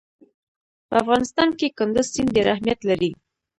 په افغانستان کې کندز سیند ډېر اهمیت لري.